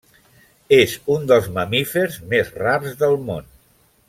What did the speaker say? És un dels mamífers més rars del món.